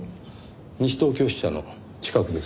西東京支社の近くですね。